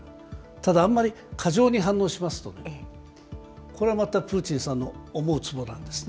ただ、あまり過剰に反応しますと、これはまたプーチンさんの思うつぼなんですね。